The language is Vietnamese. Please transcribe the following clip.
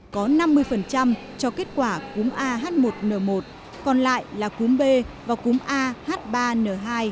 có năm mươi cho kết quả cúm ah một n một còn lại là cúm b và cúm ah ba n hai